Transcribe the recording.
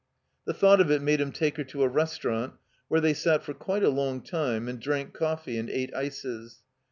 The thought of it made him take her to a restau rant where they sat for quite a long time and drank coffee and ate ices.